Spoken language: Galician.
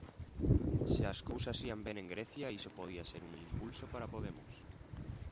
Se as cousas ían ben en Grecia iso podía ser un impulso para Podemos.